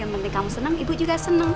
yang penting kamu seneng ibu juga seneng ya